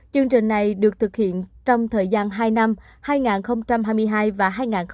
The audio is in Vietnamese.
chương trình này được thực hiện trong thời gian hai năm hai nghìn hai mươi hai và hai nghìn hai mươi ba